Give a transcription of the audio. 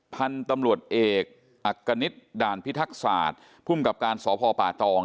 พันธุ์ตำรวจเอกอักกณิตด่านพิทักษาภูมิกับการสพป่าตอง